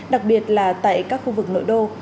đặc biệt là tại các khu vực nội đô